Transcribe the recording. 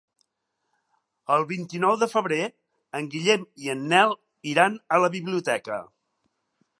El vint-i-nou de febrer en Guillem i en Nel iran a la biblioteca.